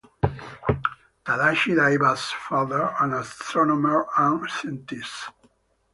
Tadashi Daiba's father, an astronomer and scientist.